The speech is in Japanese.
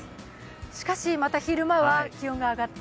しかしまた昼間は気温が上がって。